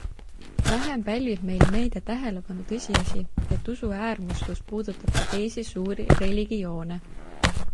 Vähem pälvib meil meedia tähelepanu tõsiasi, et usuäärmuslus puudutab ka teisi suuri religioone.